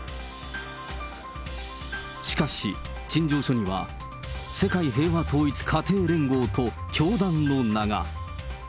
しかし、陳情書には、世界平和統一家庭連合と教団の名が。